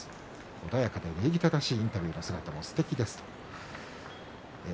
穏やかで礼儀正しいインタビューの姿もすてきです。